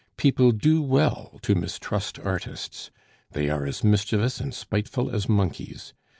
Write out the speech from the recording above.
People do well to mistrust artists; they are as mischievous and spiteful as monkeys.